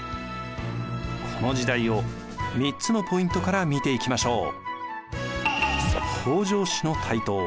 この時代を３つのポイントから見ていきましょう。